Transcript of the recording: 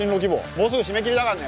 もうすぐ締め切りだからね。